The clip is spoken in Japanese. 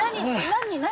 何何？